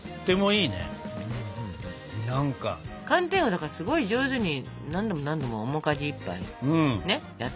寒天はだからすごい上手に何度も何度も面かじいっぱいねやってたから。